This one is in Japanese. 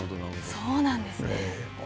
そうなんですね。